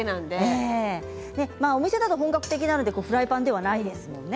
お店は本格的なのでフライパンではないですよね。